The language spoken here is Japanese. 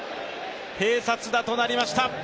併殺打となりました。